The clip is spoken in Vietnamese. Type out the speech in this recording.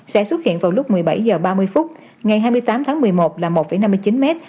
sẽ xuất hiện vào lúc một mươi bảy h ba mươi ngày hai mươi tám một mươi một là một năm mươi chín mét